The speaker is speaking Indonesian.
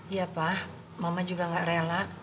iya pak mama juga gak rela